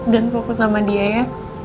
dan fokus sama dia ya